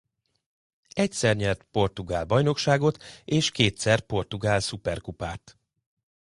Egyszer nyert portugál bajnokságot és kétszer portugál Szuperkupát.